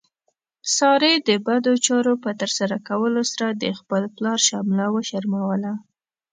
سارې د بدو چارو په ترسره کولو سره د خپل پلار شمله وشرموله.